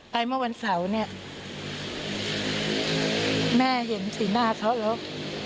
เมื่อวันเสาร์เนี่ยแม่เห็นสีหน้าเขาแล้ว